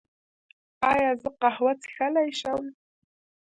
ایا زه قهوه څښلی شم؟